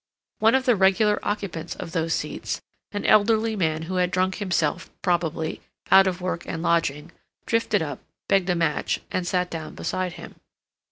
One of the regular occupants of those seats, an elderly man who had drunk himself, probably, out of work and lodging, drifted up, begged a match, and sat down beside him.